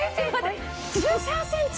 １３ｃｍ？